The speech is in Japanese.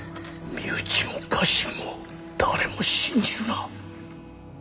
身内も家臣も誰も信じるな。